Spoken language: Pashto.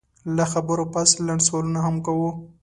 له خبرو پس لنډ سوالونه هم کوو